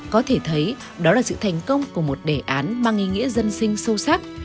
có thể thấy đó là sự thành công của một đề án mang ý nghĩa dân sinh sâu sắc